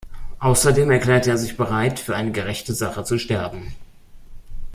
Außerdem erklärte er sich bereit, für eine gerechte Sache zu sterben.